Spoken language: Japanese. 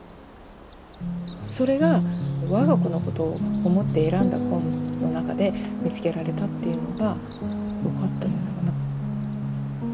それが我が子のことを思って選んだ本の中で見つけられたっていうのがよかったのかな。